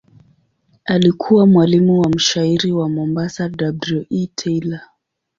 Alikuwa mwalimu wa mshairi wa Mombasa W. E. Taylor.